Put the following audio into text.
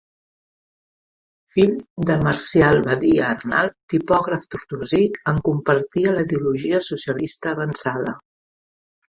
Fill de Marcial Badia Arnal, tipògraf tortosí, en compartia la ideologia socialista avançada.